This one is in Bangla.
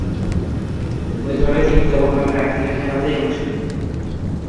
ঐ দলে তিনি কেবলমাত্র একদিনের খেলাতেই অংশ নিতেন।